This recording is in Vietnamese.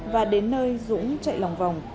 và đến nơi dũng chạy lòng vòng